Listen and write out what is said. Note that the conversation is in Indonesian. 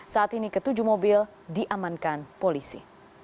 saat ini ke tujuh mobil diamankan polisi